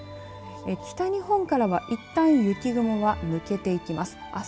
北日本からはいったん雪雲は抜けていきます。